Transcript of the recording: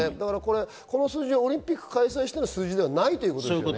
この数字をオリンピックを開催しての数字ではないということです。